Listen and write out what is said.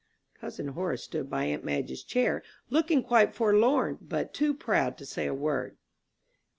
Cousin Horace stood by aunt Madge's chair, looking quite forlorn, but too proud to say a word.